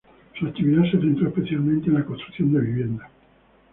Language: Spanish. Su actividad se centró especialmente en la construcción de viviendas.